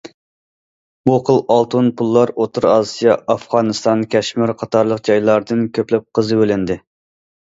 بۇ خىل ئالتۇن پۇللار ئوتتۇرا ئاسىيا، ئافغانىستان، كەشمىر قاتارلىق جايلاردىن كۆپلەپ قېزىۋېلىندى.